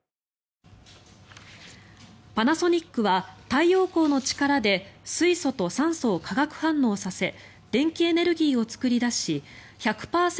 パナソニックは太陽光の力で水素と酸素を化学反応させ電気エネルギーを作り出し１００％